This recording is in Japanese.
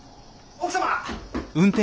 奥様！